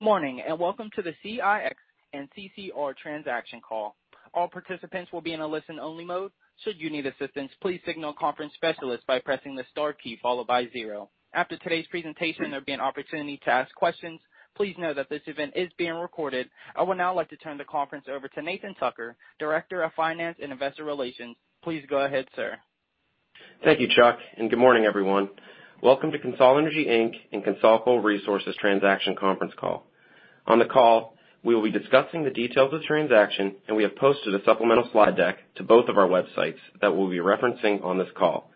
Good morning and welcome to the CEIX and CCR transaction call. All participants will be in a listen-only mode. Should you need assistance, please signal a conference specialist by pressing the star key followed by zero. After today's presentation, there will be an opportunity to ask questions. Please note that this event is being recorded. I would now like to turn the conference over to Nathan Tucker, Director of Finance and Investor Relations. Please go ahead, sir. Thank you, Chuck, and good morning, everyone. Welcome to Core Natural Resources and Core Coal Resources Transaction Conference Call. On the call, we will be discussing the details of the transaction, and we have posted a supplemental slide deck to both of our websites that we'll be referencing on this call.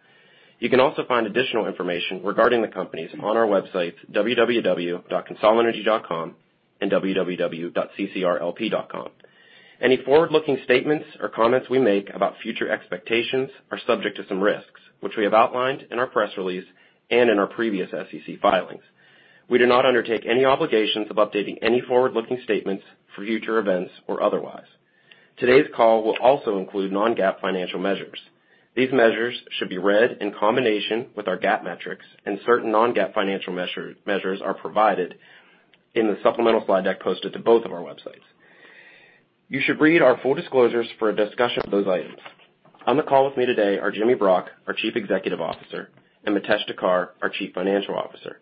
You can also find additional information regarding the companies on our websites, www.corenaturalresources.com and www.ccrlp.com. Any forward-looking statements or comments we make about future expectations are subject to some risks, which we have outlined in our press release and in our previous SEC filings. We do not undertake any obligations of updating any forward-looking statements for future events or otherwise. Today's call will also include non-GAAP financial measures. These measures should be read in combination with our GAAP metrics, and certain non-GAAP financial measures are provided in the supplemental slide deck posted to both of our websites. You should read our full disclosures for a discussion of those items. On the call with me today are Jimmy Brock, our Chief Executive Officer, and Mitesh Thakkar, our Chief Financial Officer.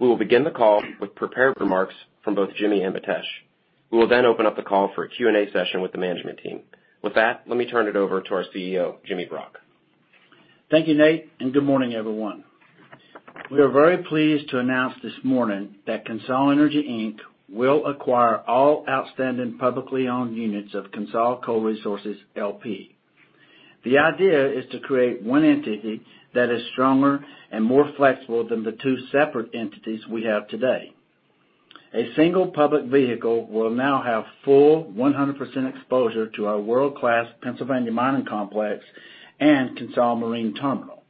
We will begin the call with prepared remarks from both Jimmy and Mitesh. We will then open up the call for a Q&A session with the management team. With that, let me turn it over to our CEO, Jimmy Brock. Thank you, Nate, and good morning, everyone. We are very pleased to announce this morning that CONSOL Energy Inc will acquire all outstanding publicly owned units of CONSOL Core Resources LP. The idea is to create one entity that is stronger and more flexible than the two separate entities we have today. A single public vehicle will now have full 100% exposure to our world-class Pennsylvania mining complex and Core Marine terminal.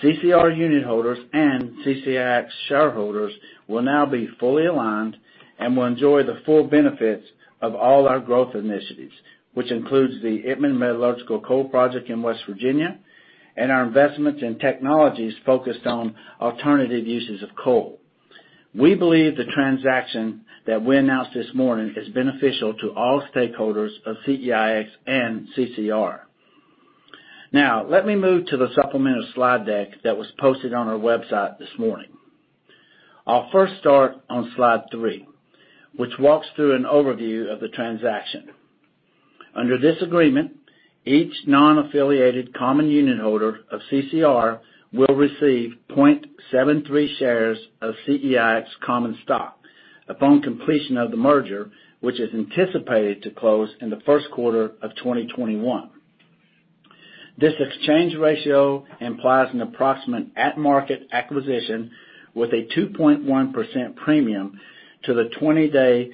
CCR unit holders and CNR shareholders will now be fully aligned and will enjoy the full benefits of all our growth initiatives, which includes the Itmann Metallurgical Coal Project in West Virginia and our investments in technologies focused on alternative uses of coal. We believe the transaction that we announced this morning is beneficial to all stakeholders of CNR and CCR. Now, let me move to the supplemental slide deck that was posted on our website this morning. I'll first start on slide three, which walks through an overview of the transaction. Under this agreement, each non-affiliated common unit holder of CCR will receive 0.73 shares of CEIX common stock upon completion of the merger, which is anticipated to close in the first quarter of 2021. This exchange ratio implies an approximate at-market acquisition with a 2.1% premium to the 20-day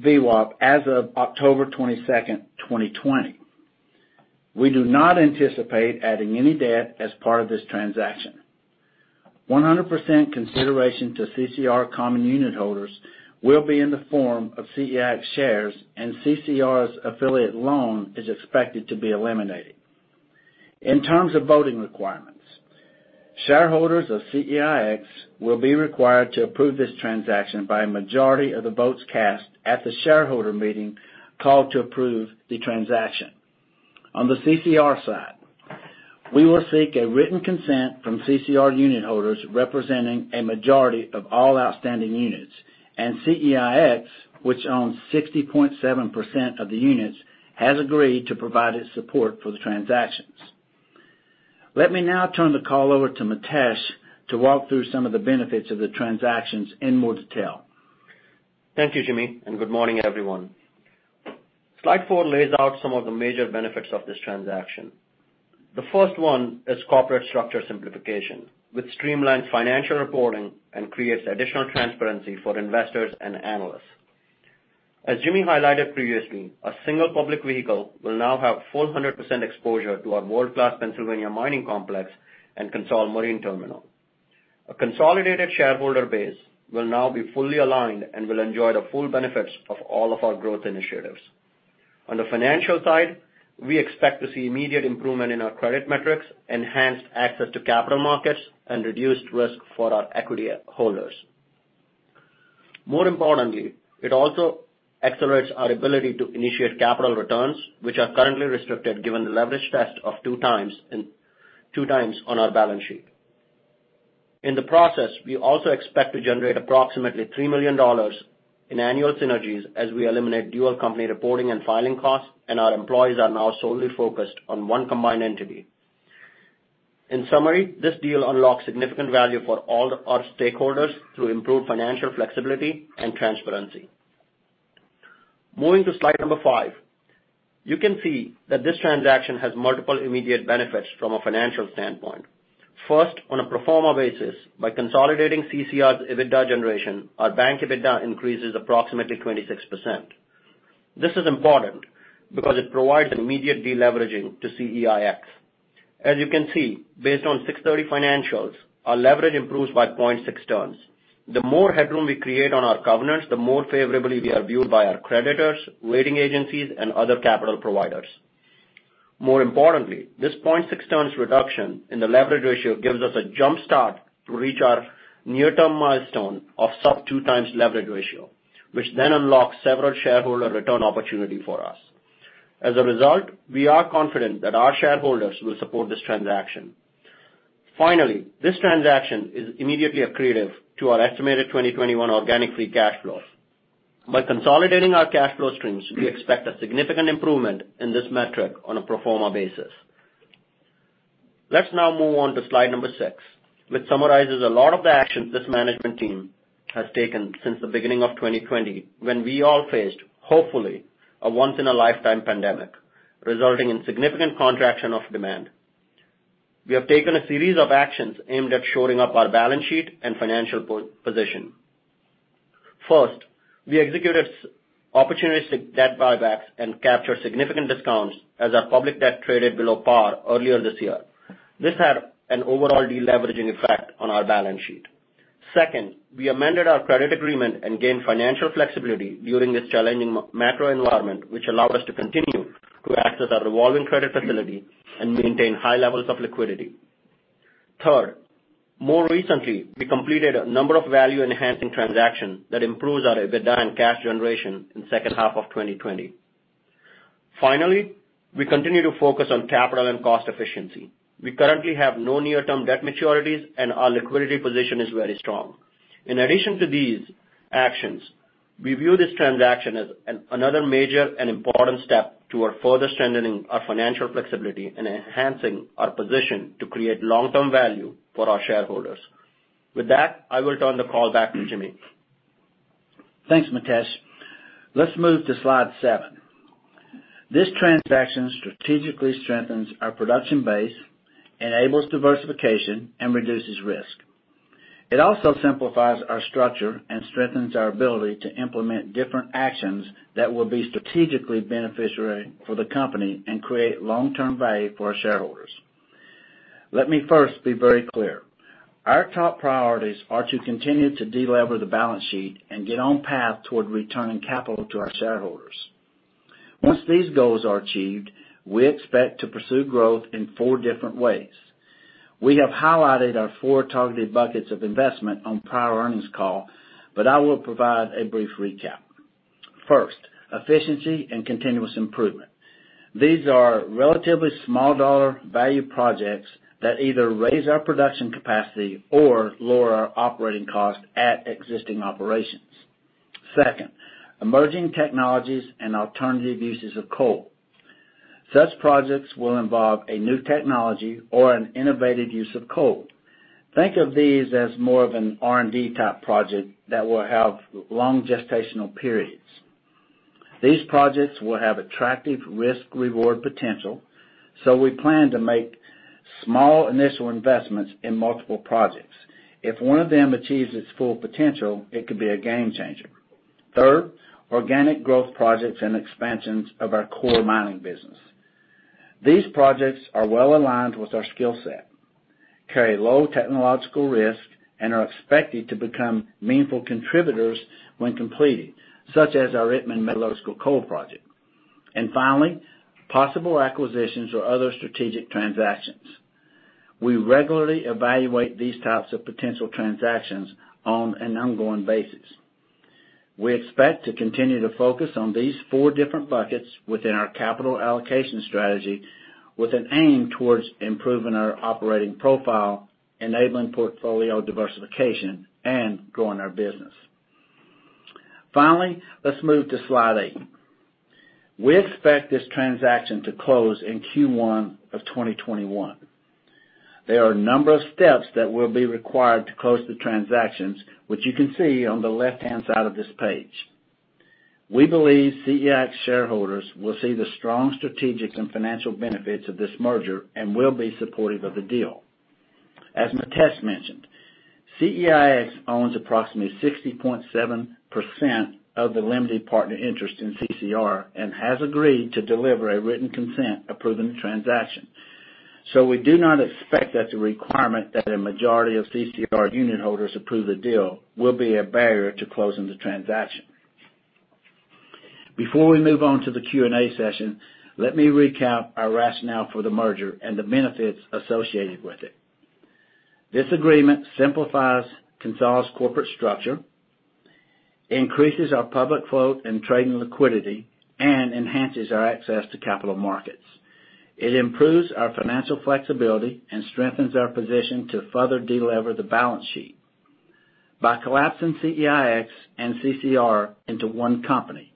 VWAP as of October 22nd, 2020. We do not anticipate adding any debt as part of this transaction. 100% consideration to CCR common unit holders will be in the form of CEIX shares, and CCR's affiliate loan is expected to be eliminated. In terms of voting requirements, shareholders of CEIX will be required to approve this transaction by a majority of the votes cast at the shareholder meeting called to approve the transaction. On the CCR side, we will seek a written consent from CCR unit holders representing a majority of all outstanding units, and CEIX, which owns 60.7% of the units, has agreed to provide its support for the transactions. Let me now turn the call over to Mitesh to walk through some of the benefits of the transactions in more detail. Thank you, Jimmy, and good morning, everyone. Slide four lays out some of the major benefits of this transaction. The first one is corporate structure simplification, which streamlines financial reporting and creates additional transparency for investors and analysts. As Jimmy highlighted previously, a single public vehicle will now have full 100% exposure to our world-class Pennsylvania mining complex and Core Marine terminal. A consolidated shareholder base will now be fully aligned and will enjoy the full benefits of all of our growth initiatives. On the financial side, we expect to see immediate improvement in our credit metrics, enhanced access to capital markets, and reduced risk for our equity holders. More importantly, it also accelerates our ability to initiate capital returns, which are currently restricted given the leverage test of two times on our balance sheet. In the process, we also expect to generate approximately $3 million in annual synergies as we eliminate dual company reporting and filing costs, and our employees are now solely focused on one combined entity. In summary, this deal unlocks significant value for all our stakeholders through improved financial flexibility and transparency. Moving to slide number five, you can see that this transaction has multiple immediate benefits from a financial standpoint. First, on a pro forma basis, by consolidating CCR's EBITDA generation, our bank EBITDA increases approximately 26%. This is important because it provides an immediate deleveraging to CEIX. As you can see, based on June 30 financials, our leverage improves by 0.6 turns. The more headroom we create on our covenants, the more favorably we are viewed by our creditors, rating agencies, and other capital providers. More importantly, this 0.6 turns reduction in the leverage ratio gives us a jumpstart to reach our near-term milestone of sub-2 times leverage ratio, which then unlocks several shareholder return opportunities for us. As a result, we are confident that our shareholders will support this transaction. Finally, this transaction is immediately accretive to our estimated 2021 organic free cash flow. By consolidating our cash flow streams, we expect a significant improvement in this metric on a pro forma basis. Let's now move on to slide number six, which summarizes a lot of the actions this management team has taken since the beginning of 2020 when we all faced, hopefully, a once-in-a-lifetime pandemic resulting in significant contraction of demand. We have taken a series of actions aimed at shoring up our balance sheet and financial position. First, we executed opportunistic debt buybacks and captured significant discounts as our public debt traded below par earlier this year. This had an overall deleveraging effect on our balance sheet. Second, we amended our credit agreement and gained financial flexibility during this challenging macro environment, which allowed us to continue to access our revolving credit facility and maintain high levels of liquidity. Third, more recently, we completed a number of value-enhancing transactions that improved our EBITDA and cash generation in the second half of 2020. Finally, we continue to focus on capital and cost efficiency. We currently have no near-term debt maturities, and our liquidity position is very strong. In addition to these actions, we view this transaction as another major and important step toward further strengthening our financial flexibility and enhancing our position to create long-term value for our shareholders. With that, I will turn the call back to Jimmy. Thanks, Mitesh. Let's move to slide seven. This transaction strategically strengthens our production base, enables diversification, and reduces risk. It also simplifies our structure and strengthens our ability to implement different actions that will be strategically beneficiary for the company and create long-term value for our shareholders. Let me first be very clear. Our top priorities are to continue to delever the balance sheet and get on path toward returning capital to our shareholders. Once these goals are achieved, we expect to pursue growth in four different ways. We have highlighted our four targeted buckets of investment on prior earnings call, but I will provide a brief recap. First, efficiency and continuous improvement. These are relatively small-dollar value projects that either raise our production capacity or lower our operating cost at existing operations. Second, emerging technologies and alternative uses of coal. Such projects will involve a new technology or an innovative use of coal. Think of these as more of an R&D type project that will have long gestational periods. These projects will have attractive risk-reward potential, so we plan to make small initial investments in multiple projects. If one of them achieves its full potential, it could be a game changer. Third, organic growth projects and expansions of our core mining business. These projects are well aligned with our skill set, carry low technological risk, and are expected to become meaningful contributors when completed, such as our Itmann Metallurgical Coal Project. Finally, possible acquisitions or other strategic transactions. We regularly evaluate these types of potential transactions on an ongoing basis. We expect to continue to focus on these four different buckets within our capital allocation strategy with an aim towards improving our operating profile, enabling portfolio diversification, and growing our business. Finally, let's move to slide eight. We expect this transaction to close in Q1 of 2021. There are a number of steps that will be required to close the transactions, which you can see on the left-hand side of this page. We believe Core Natural Resources shareholders will see the strong strategic and financial benefits of this merger and will be supportive of the deal. As Mitesh mentioned, CEIX owns approximately 60.7% of the limited partner interest in CCR and has agreed to deliver a written consent approving the transaction. We do not expect that the requirement that a majority of CCR unit holders approve the deal will be a barrier to closing the transaction. Before we move on to the Q&A session, let me recap our rationale for the merger and the benefits associated with it. This agreement simplifies Core Natural Resources' corporate structure, increases our public float and trading liquidity, and enhances our access to capital markets. It improves our financial flexibility and strengthens our position to further deleverage the balance sheet. By collapsing CEIX and CCR into one company,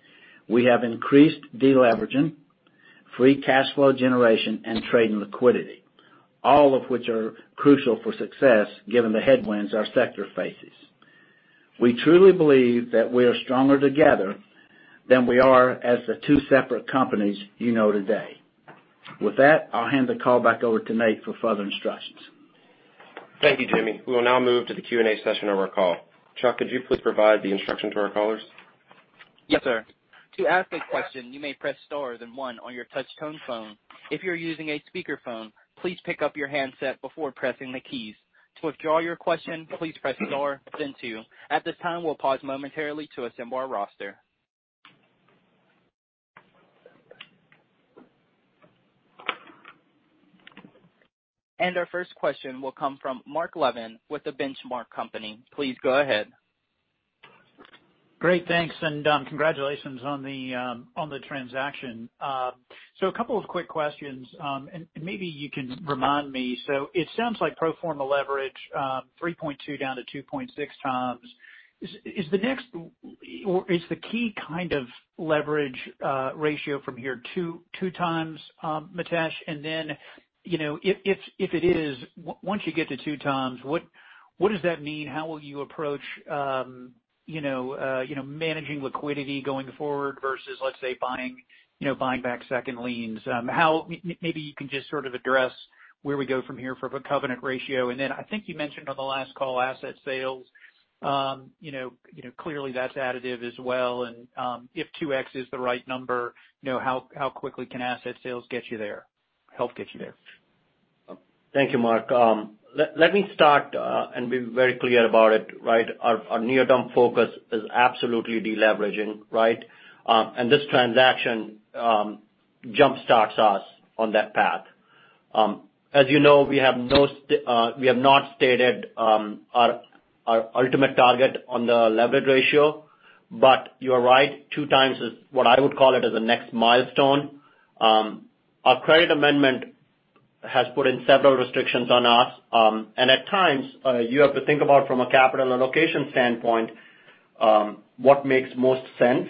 we have increased deleveraging, free cash flow generation, and trading liquidity, all of which are crucial for success given the headwinds our sector faces. We truly believe that we are stronger together than we are as the two separate companies you know today. With that, I'll hand the call back over to Nate for further instructions. Thank you, Jimmy. We will now move to the Q&A session of our call. Chuck, could you please provide the instruction to our callers? Yes, sir. To ask a question, you may press star then one on your touch-tone phone. If you're using a speakerphone, please pick up your handset before pressing the keys. To withdraw your question, please press star then two. At this time, we'll pause momentarily to assemble our roster. Our first question will come from Mark Levin with The Benchmark Company. Please go ahead. Great. Thanks. Congratulations on the transaction. A couple of quick questions. Maybe you can remind me. It sounds like pro forma leverage, 3.2 down to 2.6x. Is the key kind of leverage ratio from here 2x, Mitesh? If it is, once you get to 2x, what does that mean? How will you approach managing liquidity going forward versus, let's say, buying back second liens? Maybe you can just sort of address where we go from here for the covenant ratio. I think you mentioned on the last call asset sales. Clearly, that's additive as well. If 2x is the right number, how quickly can asset sales get you there, help get you there? Thank you, Mark. Let me start and be very clear about it, right? Our near-term focus is absolutely deleveraging, right? This transaction jumpstarts us on that path. As you know, we have not stated our ultimate target on the leverage ratio, but you're right. Two times is what I would call it as a next milestone. Our credit amendment has put in several restrictions on us. At times, you have to think about from a capital allocation standpoint what makes most sense.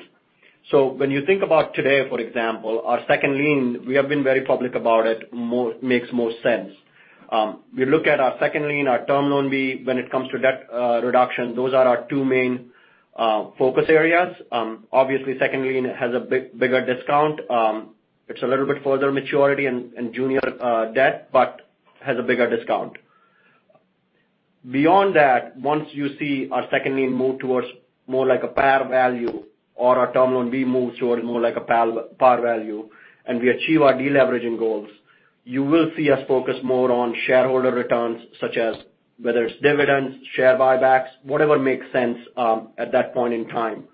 When you think about today, for example, our second lien, we have been very public about it, makes most sense. We look at our second lien, our term loan B when it comes to debt reduction. Those are our two main focus areas. Obviously, second lien has a bigger discount. It is a little bit further maturity and junior debt, but has a bigger discount. Beyond that, once you see our second lien move towards more like a par value or our term loan B moves towards more like a par value and we achieve our deleveraging goals, you will see us focus more on shareholder returns, such as whether it's dividends, share buybacks, whatever makes sense at that point in time.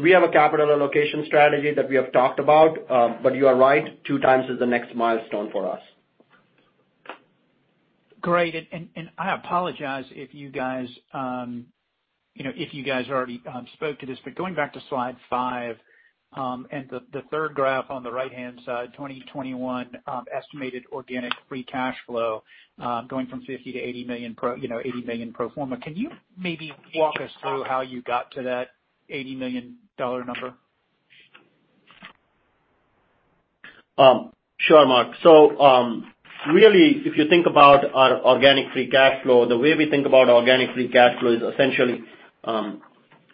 We have a capital allocation strategy that we have talked about, but you are right. Two times is the next milestone for us. Great. I apologize if you guys already spoke to this, but going back to slide five and the third graph on the right-hand side, 2021 estimated organic free cash flow going from $50 million to $80 million pro forma. Can you maybe walk us through how you got to that $80 million number? Sure, Mark. Really, if you think about our organic free cash flow, the way we think about organic free cash flow is essentially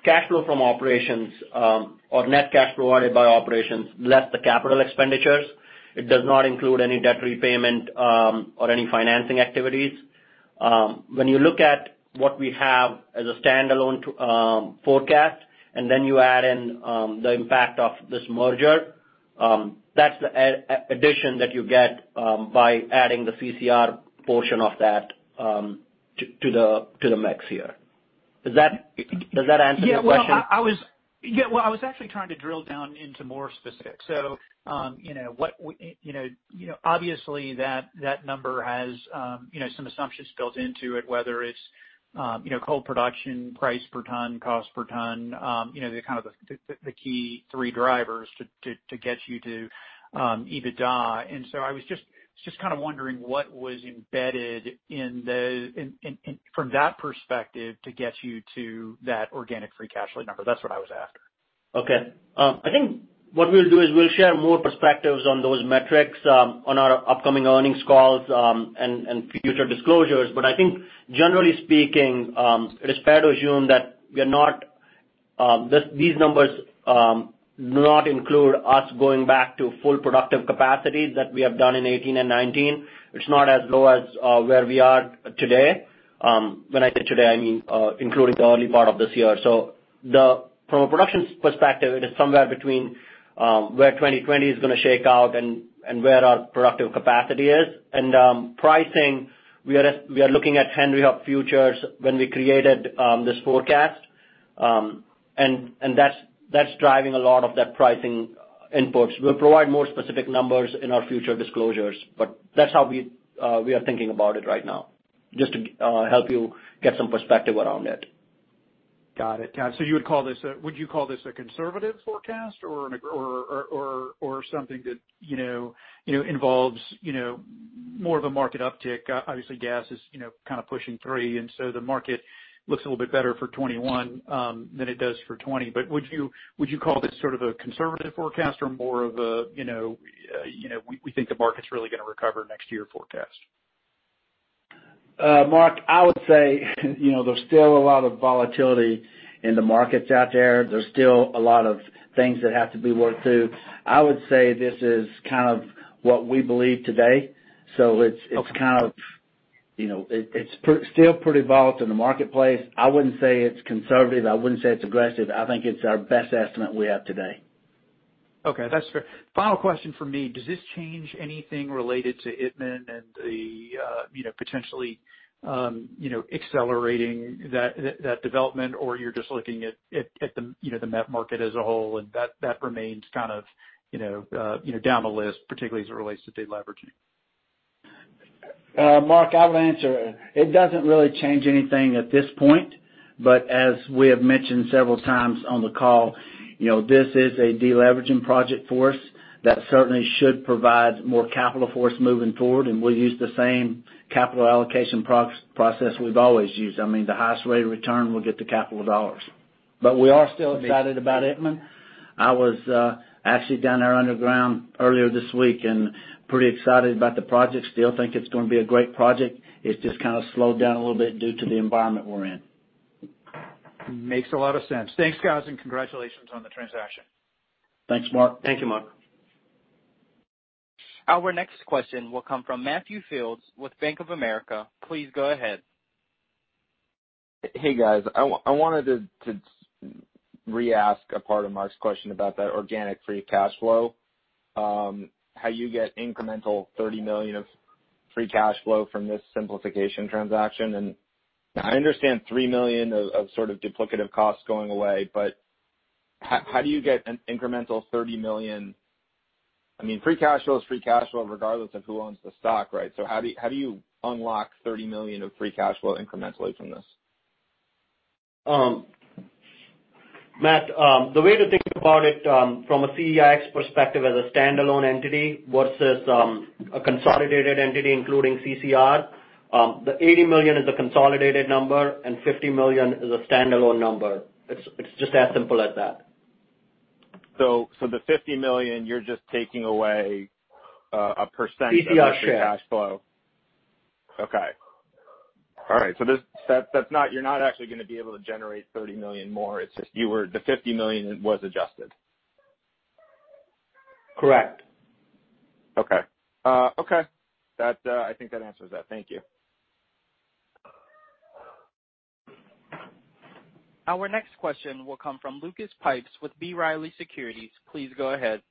cash flow from operations or net cash provided by operations less the capital expenditures. It does not include any debt repayment or any financing activities. When you look at what we have as a standalone forecast and then you add in the impact of this merger, that is the addition that you get by adding the CCR portion of that to the mix here. Does that answer your question? Yeah. I was actually trying to drill down into more specifics. Obviously, that number has some assumptions built into it, whether it's coal production, price per ton, cost per ton, kind of the key three drivers to get you to EBITDA. I was just kind of wondering what was embedded from that perspective to get you to that organic free cash flow number. That's what I was after. Okay. I think what we'll do is we'll share more perspectives on those metrics on our upcoming earnings calls and future disclosures. I think, generally speaking, it is fair to assume that these numbers do not include us going back to full productive capacity that we have done in 2018 and 2019. It's not as low as where we are today. When I say today, I mean including the early part of this year. From a production perspective, it is somewhere between where 2020 is going to shake out and where our productive capacity is. In pricing, we are looking at Henry Hub Futures when we created this forecast. That's driving a lot of that pricing inputs. We'll provide more specific numbers in our future disclosures, but that's how we are thinking about it right now, just to help you get some perspective around it. Got it. Would you call this a conservative forecast or something that involves more of a market uptick? Obviously, gas is kind of pushing three, and the market looks a little bit better for 2021 than it does for 2020. Would you call this sort of a conservative forecast or more of a we think the market's really going to recover next year forecast? Mark, I would say there's still a lot of volatility in the markets out there. There's still a lot of things that have to be worked through. I would say this is kind of what we believe today. So it's kind of it's still pretty volatile in the marketplace. I wouldn't say it's conservative. I wouldn't say it's aggressive. I think it's our best estimate we have today. Okay. That's fair. Final question for me. Does this change anything related to Itmann and potentially accelerating that development, or you're just looking at the met market as a whole and that remains kind of down the list, particularly as it relates to deleveraging? Mark, I will answer. It does not really change anything at this point. As we have mentioned several times on the call, this is a deleveraging project for us that certainly should provide more capital for us moving forward. We will use the same capital allocation process we have always used. I mean, the highest rate of return will get the capital dollars. We are still excited about Itmann. I was actually down there underground earlier this week and pretty excited about the project. Still think it's going to be a great project. It's just kind of slowed down a little bit due to the environment we're in. Makes a lot of sense. Thanks, guys, and congratulations on the transaction. Thanks, Mark. Thank you, Mark. Our next question will come from Matt Fields with Bank of America. Please go ahead. Hey, guys. I wanted to reask a part of Mark's question about that organic free cash flow, how you get incremental $30 million of free cash flow from this simplification transaction. I understand $3 million of sort of duplicative costs going away, but how do you get an incremental $30 million? I mean, free cash flow is free cash flow regardless of who owns the stock, right? How do you unlock $30 million of free cash flow incrementally from this? Matt, the way to think about it from a CEIX perspective as a standalone entity versus a consolidated entity including CCR, the $80 million is a consolidated number and $50 million is a standalone number. It's just as simple as that. The $50 million, you're just taking away a percentage of the free cash flow? CCR share. Okay. All right. So you're not actually going to be able to generate $30 million more. It's just the $50 million was adjusted. Correct. Okay. Okay. I think that answers that. Thank you. Our next question will come from Lucas Pipes with B. Riley Securities. Please go ahead.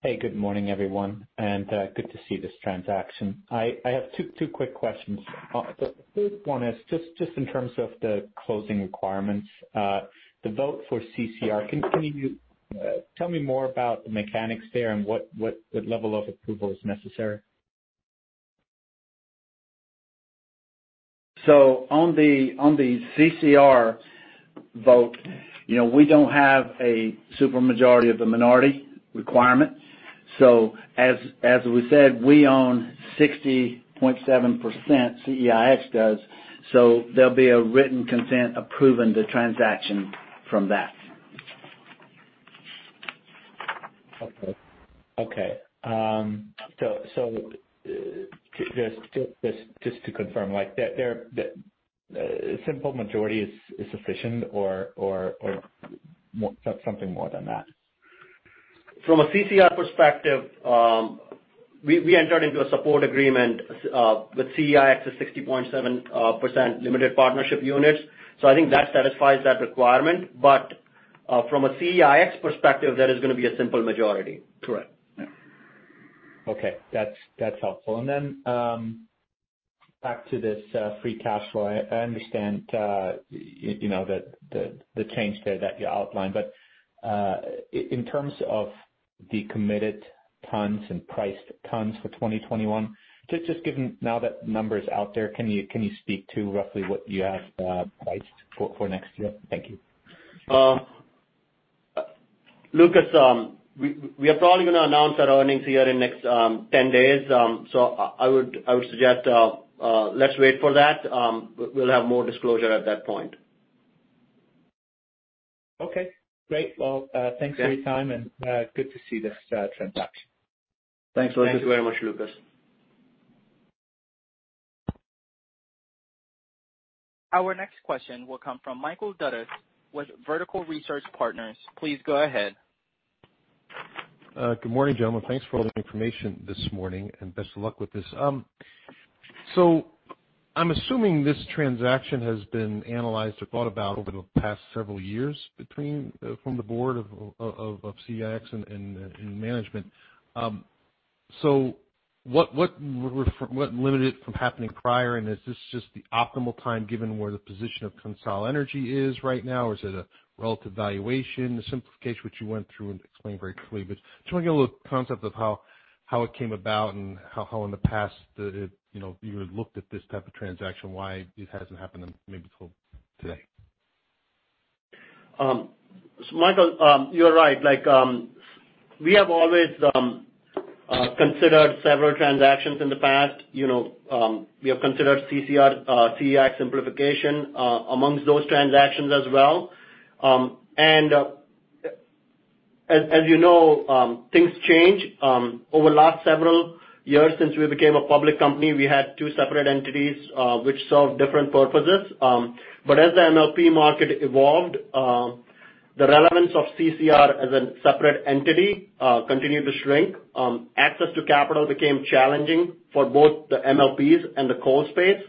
Hey, good morning, everyone. Good to see this transaction. I have two quick questions. The first one is just in terms of the closing requirements, the vote for CCR, can you tell me more about the mechanics there and what level of approval is necessary? On the CCR vote, we do not have a super majority of the minority requirement. As we said, we own 60.7%, CEIX does. There will be a written consent approving the transaction from that. Okay. Okay. So just to confirm, a simple majority is sufficient or something more than that? From a CCR perspective, we entered into a support agreement with CEIX of 60.7% limited partnership units. I think that satisfies that requirement. From a CEIX perspective, there is going to be a simple majority. Correct. Yeah. Okay. That's helpful. Then back to this free cash flow, I understand the change there that you outlined. In terms of the committed tons and priced tons for 2021, just given now that the number is out there, can you speak to roughly what you have priced for next year? Thank you. Lucas, we are probably going to announce our earnings here in the next 10 days. I would suggest let's wait for that. We'll have more disclosure at that point. Okay. Great. Thanks for your time and good to see this transaction. Thanks, Lucas. Thank you very much, Lucas. Our next question will come from Michael Dudas with Vertical Research Partners. Please go ahead. Good morning, gentlemen. Thanks for all the information this morning and best of luck with this. I'm assuming this transaction has been analyzed or thought about over the past several years from the board of Core Natural Resources and management. What limited it from happening prior? Is this just the optimal time given where the position of Core Natural Resources is right now? Is it a relative valuation? The simplification, which you went through and explained very clearly. Do you want to get a little concept of how it came about and how in the past you had looked at this type of transaction, why it has not happened maybe till today? Michael, you're right. We have always considered several transactions in the past. We have considered CEIX simplification amongst those transactions as well. As you know, things change. Over the last several years, since we became a public company, we had two separate entities which served different purposes. As the MLP market evolved, the relevance of CCR as a separate entity continued to shrink. Access to capital became challenging for both the MLPs and the coal space.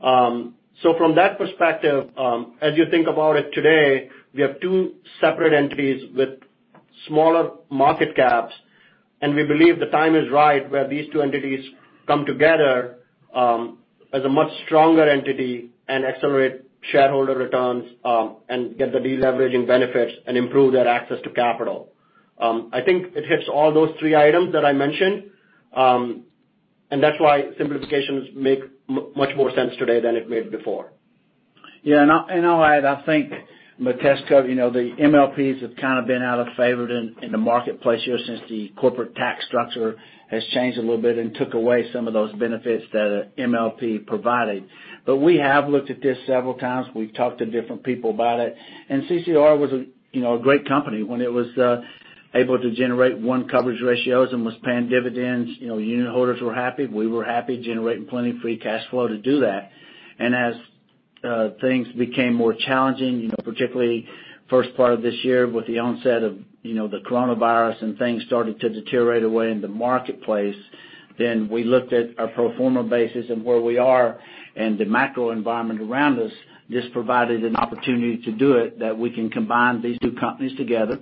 From that perspective, as you think about it today, we have two separate entities with smaller market caps. We believe the time is right where these two entities come together as a much stronger entity and accelerate shareholder returns and get the deleveraging benefits and improve their access to capital. I think it hits all those three items that I mentioned. Simplifications make much more sense today than it made before. Yeah. I'll add, I think, Mitesh Thakkar, the MLPs have kind of been out of favor in the marketplace here since the corporate tax structure has changed a little bit and took away some of those benefits that an MLP provided. We have looked at this several times. We've talked to different people about it. CCR was a great company when it was able to generate one coverage ratios and was paying dividends. Unit holders were happy. We were happy generating plenty of free cash flow to do that. As things became more challenging, particularly the first part of this year with the onset of the coronavirus and things started to deteriorate away in the marketplace, we looked at our pro forma basis and where we are and the macro environment around us. This provided an opportunity to do it, that we can combine these two companies together,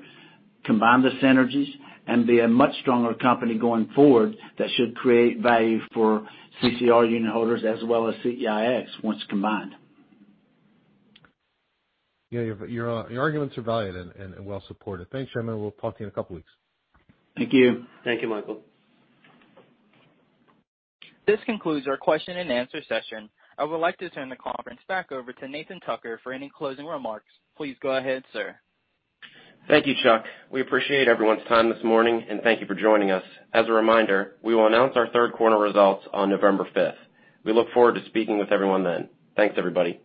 combine the synergies, and be a much stronger company going forward that should create value for CCR unit holders as well as CEIX once combined. Yeah. Your arguments are valid and well supported. Thanks, gentlemen. We'll talk to you in a couple of weeks. Thank you. Thank you, Michael. This concludes our question and answer session. I would like to turn the conference back over to Nathan Thakkar for any closing remarks. Please go ahead, sir. Thank you, Chuck. We appreciate everyone's time this morning, and thank you for joining us. As a reminder, we will announce our third quarter results on November 5th. We look forward to speaking with everyone then. Thanks, everybody.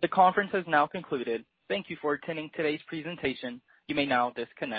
The conference has now concluded. Thank you for attending today's presentation. You may now disconnect.